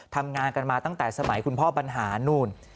ทำงานกันมาตั้งแต่สมัยคุณพ่อบรรหารนู่น